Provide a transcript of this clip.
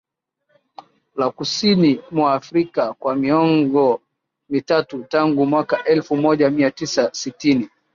la kusini mwa Afrika kwa miongo mitatu tangu mwaka elfu moja mia tisa sitini